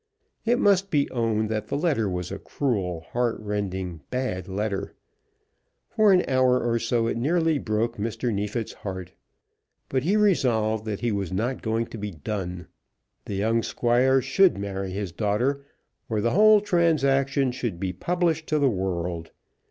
It must be owned that the letter was a cruel, heart rending, bad letter. For an hour or so it nearly broke Mr. Neefit's heart. But he resolved that he was not going to be done. The young Squire should marry his daughter, or the whole transaction should be published to the world.